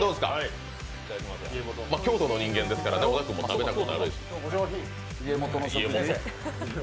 京都の人間ですから、小田君も食べたことあるでしょう。